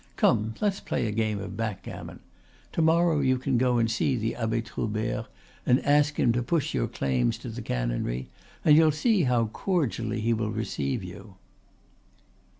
Come, let's play a game of backgammon. To morrow you can go and see the Abbe Troubert and ask him to push your claims to the canonry, and you'll see how cordially he will receive you."